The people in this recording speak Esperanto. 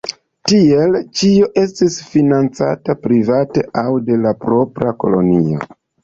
Tiele ĉio estis financata private aŭ de la propra kolonio.